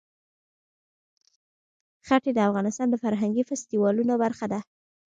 ښتې د افغانستان د فرهنګي فستیوالونو برخه ده.